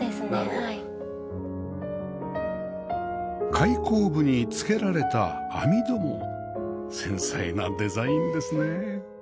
開口部につけられた網戸も繊細なデザインですね